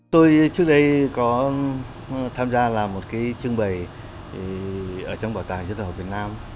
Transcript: trước đây có tham gia là một cái trưng bày ở trong bảo tàng giới thợ hợp việt nam